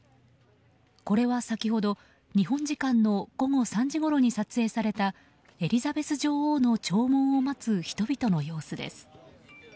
これは先ほど、日本時間の午後３時ごろに撮影されたエリザベス女王の弔問を待つ人々の様子です。